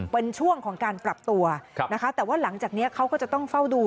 เป็นช่วงของการปรับตัวนะคะแต่ว่าหลังจากนี้เขาก็จะต้องเฝ้าดู